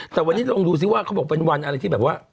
แต่วันนี้ลองดูซิว่าเขาบอกเป็นวันอะไรที่แบบว่า